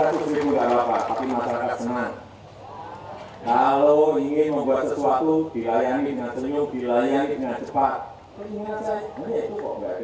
keriakatanantro tim prinsipimu